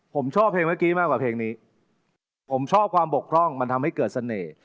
ผมชอบเพลงเมื่อกี้มากกว่าเพลงนี้ผมชอบความบกพร่องมันทำให้เกิดเสน่ห์